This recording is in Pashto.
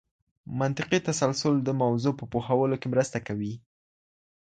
منطقي تسلسل د موضوع په پوهولو کي مرسته کوي.